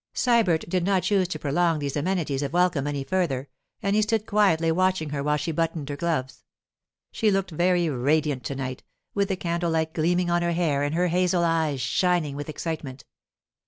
Sybert did not choose to prolong these amenities of welcome any further, and he stood quietly watching her while she buttoned her gloves. She looked very radiant to night, with the candle light gleaming on her hair and her hazel eyes shining with excitement.